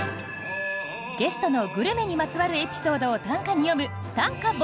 ゲストのグルメにまつわるエピソードを短歌に詠む「短歌ボナペティ」。